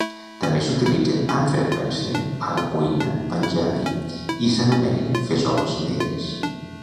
També s'utilitzen amb freqüència a la cuina panjabi, i s'anomenen fesols negres.